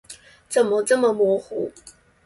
怎么这么模糊？